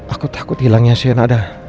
aku takut hilangnya sienna ada